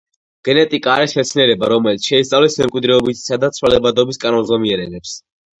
გენეტიკა არის მეცნიერება, რომელიც შეისწავლის მემკვიდრეობითობისა და ცვალებადობის კანონზომიერებებს.